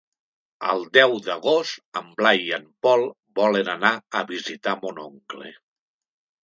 El deu d'agost en Blai i en Pol volen anar a visitar mon oncle.